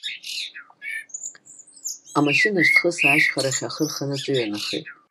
Амашьына шьҭхысаа ашьхарахь ахы рханы аҿыҩанахеит.